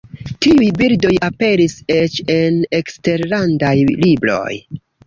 Tiuj bildoj aperis eĉ en eksterlandaj libroj.